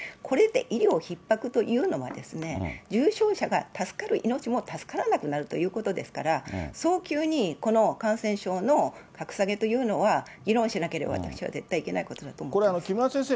これで医療ひっ迫というのは、重症者が助かる命も助からなくなるということですから、早急にこの感染症の格下げというのは、議論しなければ、私は絶対いけないことだと思ってます。